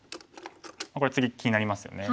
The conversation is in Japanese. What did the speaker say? これ次気になりますよね。